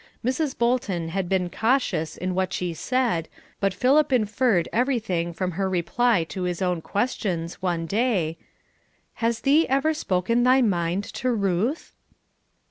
Mrs. Bolton had been cautious in what she said, but Philip inferred everything from her reply to his own questions, one day, "Has thee ever spoken thy mind to Ruth?"